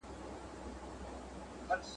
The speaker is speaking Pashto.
ویل وایه که ریشتیا در معلومیږي ..